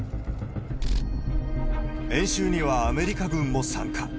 演習にはアメリカ軍も参加。